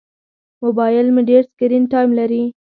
موبایل مې ډېر سکرین ټایم لري.